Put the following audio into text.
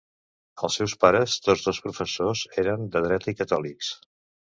Els seus pares, tots dos professors, eren de dreta i catòlics.